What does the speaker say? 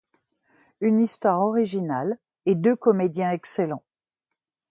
Une histoire originale et deux comédiens excellents.